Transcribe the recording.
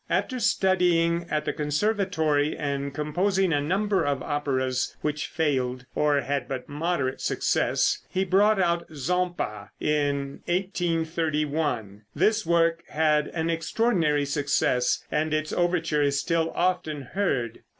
After studying at the Conservatory and composing a number of operas which failed, or had but moderate success, he brought out "Zampa," in 1831. This work had an extraordinary success, and its overture is still often heard.